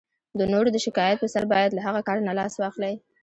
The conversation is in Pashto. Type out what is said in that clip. د نورو د شکایت په سر باید له هغه کار نه لاس واخلئ.